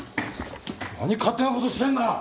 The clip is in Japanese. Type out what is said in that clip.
何勝手なことしてんだ！